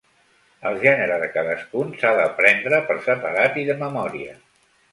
El gènere de cadascun s'ha d'aprendre per separat i de memòria.